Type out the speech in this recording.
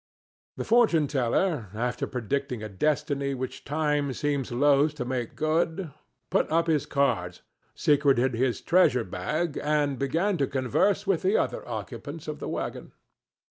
The fortune teller, after predicting a destiny which time seems loth to make good, put up his cards, secreted his treasure bag and began to converse with the other occupants of the wagon.